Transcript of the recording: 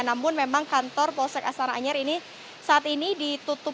namun memang kantor polsek astana anyar ini saat ini ditutup